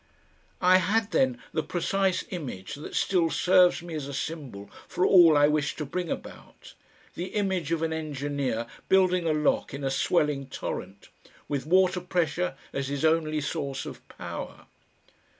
I had then the precise image that still serves me as a symbol for all I wish to bring about, the image of an engineer building a lock in a swelling torrent with water pressure as his only source of power.